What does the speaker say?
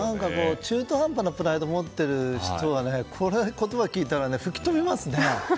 中途半端なプライドを持っている人はこの言葉を聞いたら吹き飛びますね。